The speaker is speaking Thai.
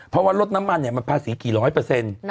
เพราะว่าลดน้ำมันเนี่ยมันภาษีกี่ร้อยเปอร์เซ็นต์